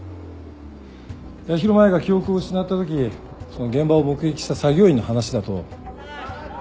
八尋舞が記憶を失ったときその現場を目撃した作業員の話だと。